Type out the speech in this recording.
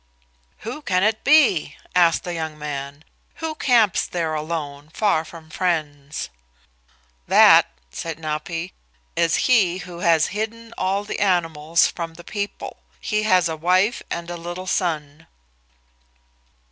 "Who can it be?" asked the young man. "Who camps there alone, far from friends?" "That," said Napi, "is he who has hidden all the animals from the people. He has a wife and a little son."